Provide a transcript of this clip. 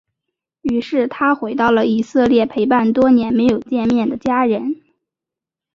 于是他回到以色列陪伴多年没有见面的家人。